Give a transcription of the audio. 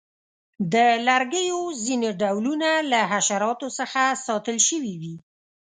د لرګیو ځینې ډولونه له حشراتو څخه ساتل شوي وي.